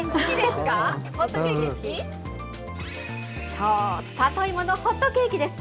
そう、里芋のホットケーキです。